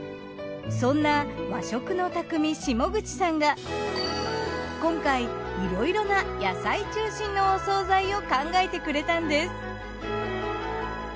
そんな和食の匠下口さんが今回いろいろな野菜中心のお惣菜を考えてくれたんです。